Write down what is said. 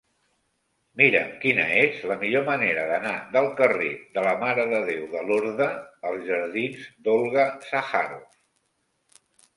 Mira'm quina és la millor manera d'anar del carrer de la Mare de Déu de Lorda als jardins d'Olga Sacharoff.